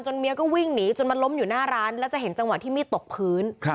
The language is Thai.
เมียก็วิ่งหนีจนมาล้มอยู่หน้าร้านแล้วจะเห็นจังหวะที่มีดตกพื้น